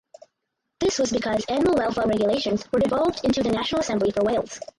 This was because animal welfare regulations were devolved to the National Assembly for Wales.